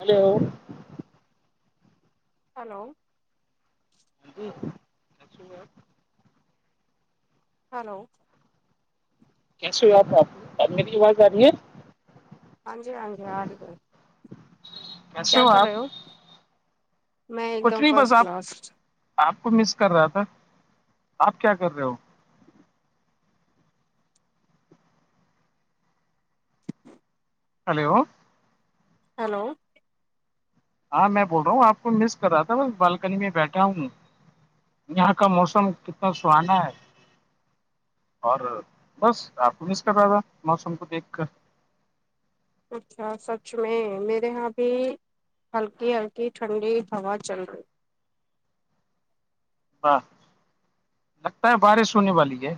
hello hello جی [unintelligible] hello کیسے ہو آپ بھابی میری آواز آ رہی ہے ہاں جی ہاں جی آ رہی ہے کیسے کیا کر رہے آپ ہو میں ایک کچھ دم نہیں بس فرسٹ آپ کلاس آپ کو مس کر رہا تھا آپ کیا کر رہے ہو ہلو ہیلو ہاں میں بول رہ ہوں آپ کو مس کر رہا تھا میں بالکنی میں بیٹھا ہوں یہاں کا موسم کتنا سہانا ہے اور بس آپ کو مس کر رہا تھا موسم کو دیکھ کر اچھا سچ میں میرے یہاں بھی ہلکی ہلکی ٹھنڈی ہوا چل رہی و لگتا ہے بارش ہونے والی ہے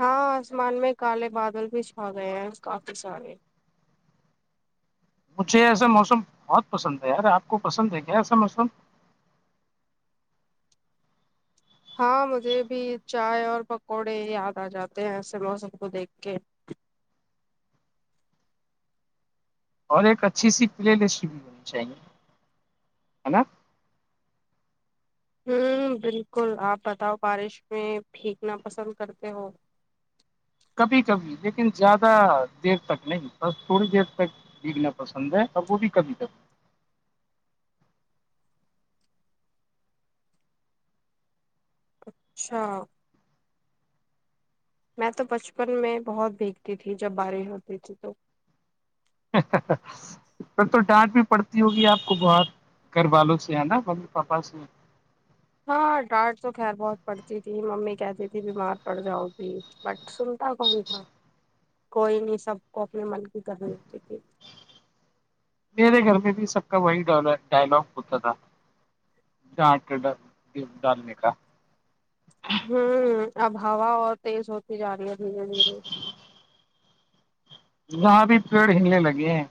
ہاں آسمان میں کالے بادل بھی چھا گئے ہیں کافی سارے مجھے ایسا موسم بہت پسند ہے یار آپ کو پسند ہے کیا ایسا موسم ہاں مجھے بھی چائے اور پکوڑے یاد آ جاتے ہیں ایسے موسم کو دیکھ کے اور ایک اچھی سی پلے لسٹ بھی ہونی چاہیے ہے نا ہوں بالکل آپ بتاؤ بارش میں پھینیکنا پسند کرتے ہو کبھی کبھی لیکن زیادہ دیر تک نہیں بس تھوڑی دیر تک بیگنا پسند ہے اور وہ بھی کبھی تک اچھا میں تو بچپن میں بہت بھیگتی تھی جب باریں ہوتی تھی تو ہن ہنس ہن س تو ڈانٹ بھی پڑتی ہوگی آپ کو بہت گھر والوں سے ہے نا ممی پاپا سے ہاں ڈانٹ تو خیر بہت پڑتی تھی ممی کہتی تھی بیمار پڑ جاؤ گ بٹ سنتا کون ہاں کوئی نہیں سب کو اپنے من کی کرنی ٹیک میرے گھر میں بھی سب کا وہی ڈائلگ ہوتا تھا جانٹ ڈالنے کا ہوں اب ہوا اور تیز ہوتی جا رہی ہے دھیرے دھیرے جاں بھی پیڑ ہلنے لگے ہیں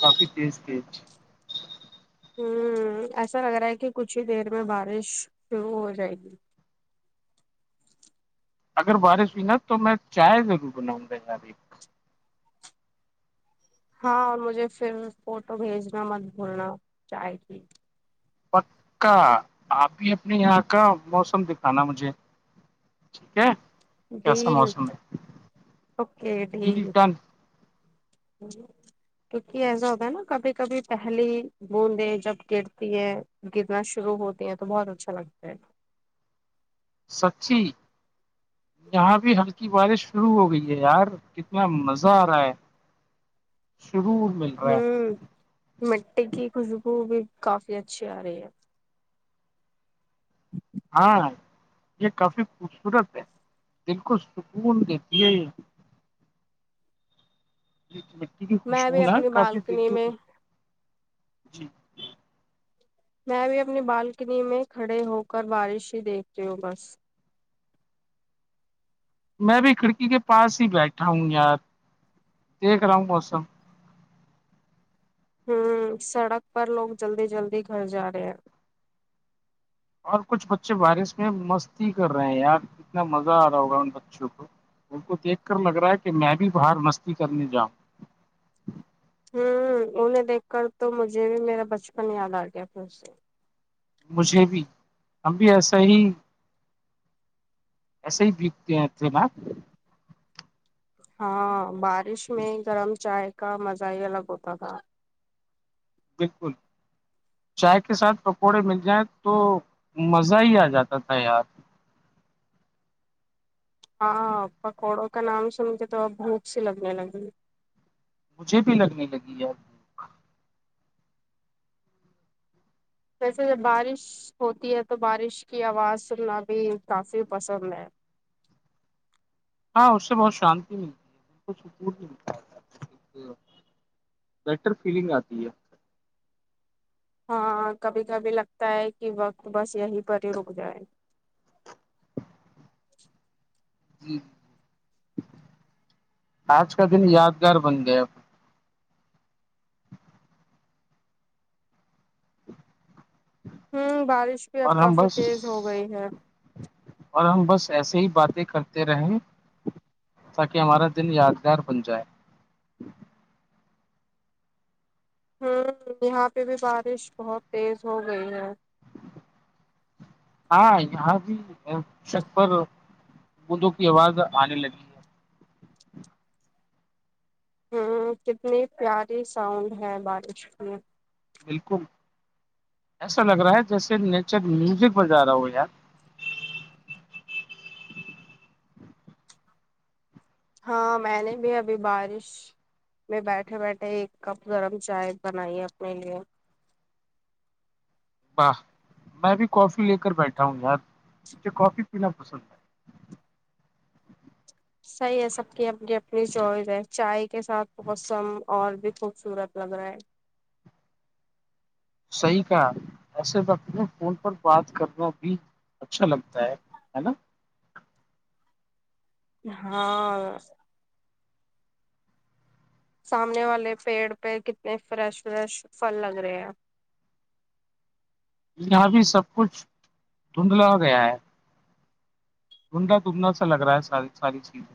کافی تیز ھے ہوں ایسا لگ رہا ہے کہ کچھ ہی دیر میں بارش شروع ہو جائے گی اگر بارش ہوئی نا تو میں چائے ضرور بناؤں گا گاری ہاں اور مجھے پھر فوٹو بھیجنا مت بھولنا چاہ گی پکا آپ بھی اپنے یہاں کا موسم دکھانا مجھے ٹھیک ہے کیسا ڈیل موسم ہے اوکے جی جی کیونکہ ایسا ہوتا ہے نا کبھی کبھی پہلی بوندیں جب گرتی ہے گرنا شروع ہوتی ہیں تو بہت اچھا لگتا ہے سچی یہاں بھی ہلکی بارش شروع ہو گئی ہے یار کتنا مزہ آ رہا ہے شروع ہوں مٹی کی خوشبو بھی کافی اچھی آ رہی ہے ہاں یہ کافی خوبصورت ہے دل کو سکون دیتی ہے یہ مٹی میں خوشبو بھی نا اپنی کافی دل بالکنی کی میں خوش- جی میں بھی اپنی بالکنی میں کھڑے ہو کر بارش ہی دیکھتی ہوں بس میں بھی کھڑکی کے پاس ہی بیٹھا ہوں یار دیکھ رہا ہوں موسم ہوں سڑک پر لوگ جلدی جلدی گھر جا رہے ہیں اور کچھ بچے بارش میں مستی کر رہے ہیں یار کتنا مزہ آ رہا ہوگا ان بچوں کو ان کو دیکھ کر لگ رہا ہے کہ میں بھی باہر مستی کرنے جاؤں ہ انہیں دیکھ کر تو مجھے بھی میرا بچپن یاد آ گیا پھر سے مجھے بھی ہم بھی ایسا ہی ایسے بھیگ تھے نا ہاں بارش میں گرم چائے کا مزہ ہی الگ ہوتا تھا بالکل چائے کے ساتھ پکوڑے مل جائیں تو مزہ ہی آ جاتا تھا یار ہاں پکوڑوں کا نام سن کے تو اب بھوک سی لگنے لگی مجھے بھی لگنے لگی یار جیسے جب بارش ہوتی ہے تو بارش کی آواز سننا بھی کافی پسند ہے ہاں اس سے بہت شانتی ملتی ہے بالک سکون بھی ملتا ہے بیٹر فیلنگ آتی ہے ہاں کبھی کبھی لگتا ہے کی وقت بس یہیں پر ہی رک جائے جی آج کا دن یادگار بن گیا ہمم بارش بھی اب اور ہم کافی بس تیز ہو گئی ہے اور ہم بس ایسے ہی باتیں کرتے رہے تاکی ہمارا دن یادگار بن جائے ہمم یہاں پے بھی بارش بہت تیز ہو گئی ہے ہاں یہاں بھی چھت پر بندوں کی کی آواز آنے لگی ہے ہمم کتنی پیاری ساؤنڈ ہے بارش میں بالکل ایسا لگ رہا ہے جیسے نیچر میوزک بجا رہا ہو یار ہاں میں نے بھی ابھی بارش میں بیٹھے بیٹھے ایک کپ گرم چائے بنائی ہے اپنے لیے واہ میں بھی کافی لے کر بیٹھا ہوں یار مجھے کافی پینا پسند ہے صحیح ہے سب کی اپنی اپنی چوائز ہے چائے کے ساتھ موسم اور بھی خوبصورت لگ رہا ہے صحیح کہا ایسے وقت میں فون پر بات کرنا بھی اچھا لگتا ہے نا ہاں سامنے والے پیڑ پے کتنے فریش فریش پھل لگ رہے ہیں یہاں بھی سب کچھ دھندھلا گیا ہے دھندھلا دھندھلا سا لگ رہا ہے ساری ساری چیزیں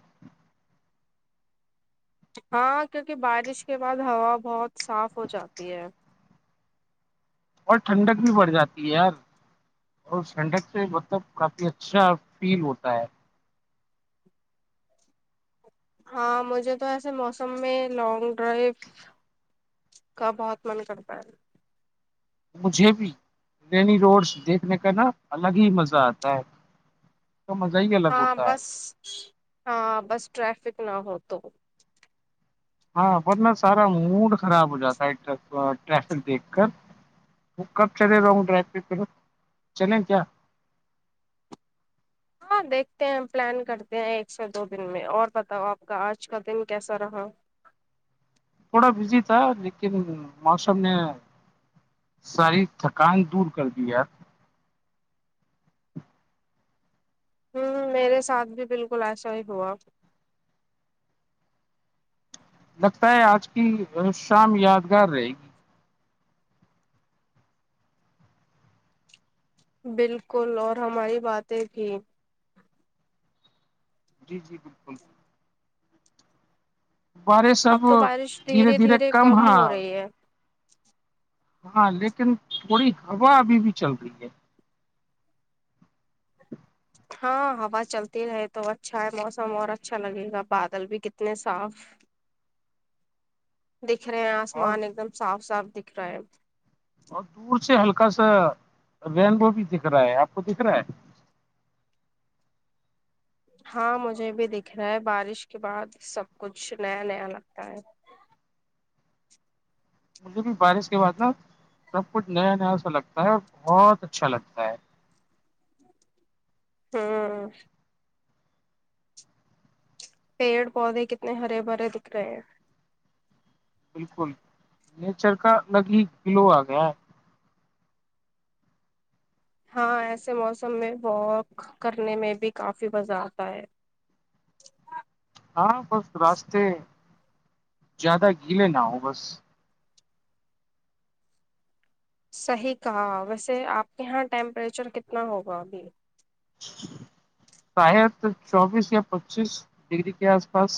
ہاں کیونکی بارش کے بعد ہوا بہت صاف ہو جاتی ہے اور ٹھنڈک بھی بڑھ جاتی ہے یار اور ٹھنڈک سے مطلب کافی اچھا فیل ہوتا ہے ہاں مجھے تو ایسے موسم میں لانگ ڈرائیو کا بہت من کرتا ہے مجھے بھی رینی روڈس دیکھنے کا نا الگ ہی مزہ آتا ہے تو مزا ہی ال ہاں بس ہاں بس ٹریفک نہ ہو تو ہاں ورنہ سارا موڈ خراب ہو جاتا ہےٹرافی ٹریفک دیکھ کر وہ کب چلے لانگ ڈرائیو پے پھر چلے کیا ہاں دیکھتے ہیں پلان کرتے ہیں ایک سے دو دن میں اور بتاؤ آپ کا آج کا دن کیسا رہا تھوڑا بزی تھا لیکن موسم نے ساری تھکان دور کردی یار ہمم میرے ساتھ بھی بالکل ایسا ہی ہوا لگتا ہے آج کی شام یادگار رہے گی بالکل اور ہماری باتیں کی جی جی بالکل بارش اب تو بارش دھیرے دھیرے کم ہاں ہو رہی ہے ہاں لیکن تھوڑی ہوا ابھی بھی چل رہی ہے ہاں ہوا چلتی رہے تو اچھا ہے موسم اور اچھا لگے گا بادل بھی کتنے صاف دکھ رہے ہیں اور آسمان ایک دم صاف صاف دکھ رہا ہے اور دور سے ہلکا سا رینبو بھی دکھ رہا ہے آپ کو دکھ رہا ہے ہاں مجھے بھی دکھ رہا ہے بارش کے بعد سب کچھ نیا نیا لگتا ہے مجھے بھی بارش کے بعد نا سب کچھ نیا نیا سا لگتا ہے اور بہت اچھا لگتا ہے ہاں پیڑ پودے کتنے ہرے بھرے دکھ رہے ہیں بالکل نیچر کا الگ ہی گلو اگیا ہے ہاں ایسے موسم میں واک کرنے میں بھی کافی مزہ اتا ہے ہاں بس راستے زیادہ گیلے نہ ہوں بس صحیح کہا ویسے اپ کے یہاں ٹمپریچر کتنا ہوگا ابھی شاید چوبیس یا پچیس ڈگری کے اس پاس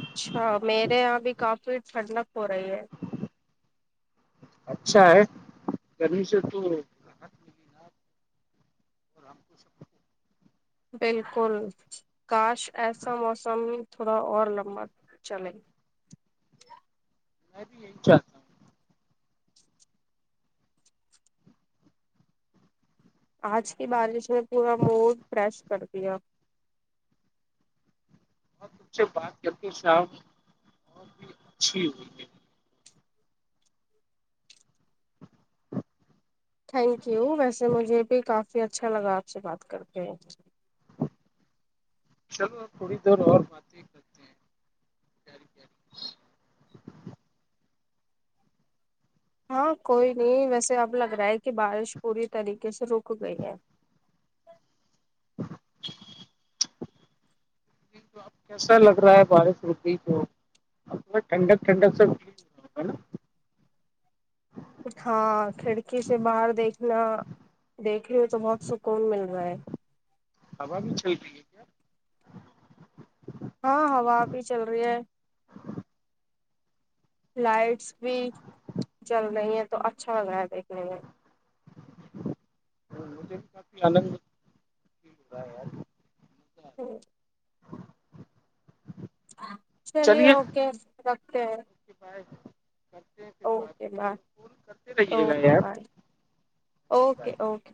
اچھا میرے یہاں بھی کافی ٹھنڈک ہو رہی ہے اچھا ہے گرمی سے تو راحت ملی نا اور ہم کچھ سک بالکل کاش ایسا موسم تھوڑا اور لمبا چلے میں بھی یہی چاہ اج کی بارش نے پورا موڈ فریش کر دیا جو بات کرتی صاحب بہت بھی اچھی ہوئی [inaudible] تھینک یو ویسے مجھے بھی کافی اچھا لگا اپ سے بات کر کے چلو تھوڑی دیر اور باتیں کرتے ہیں پیاری پیاری ہاں کوئی نہیں ویسے اب لگ رہا ہے کہ بارش پوری طریقے سے رک گئی ہے [unintelligible] کیسا لگ رہا ہے بارش ہوتی تو ٹھنڈک ٹھنڈک سب ہو ہے نا ہاں کھڑکی سے باہر دیکھنا دیکھ رہی ہو تو بہت سکون مل رہا ہے ہوا بھی چلتی ہے کیا ہاں ہوا بھی چل رہی ہے لائٹس بھی چل رہی ہے تو اچھا لگ رہا دیکھنے میں مجھے بھی کافی انند ہو رہا ہے یار رہا ہوں چلیے اوکے رکھتے ہیں اس کے پاس اوکے بائے کرتے رہیے گا اوکے یار بائے اوکے بائے اوکے